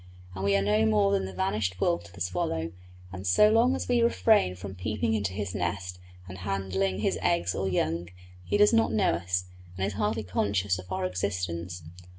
And we are no more than the vanished wolf to the swallow, and so long as we refrain from peeping into his nest and handling his eggs or young, he does not know us, and is hardly conscious of our existence.